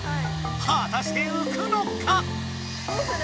はたしてうくのか？